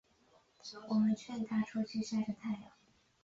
我们劝她出去晒晒太阳